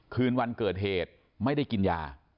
คืนวันเกิดเหตุไม่ได้กินยา